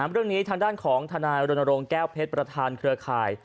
เรื่องนี้ทางด้านของทนายรณรงค์แก้วเพชรประธานเครือข่าย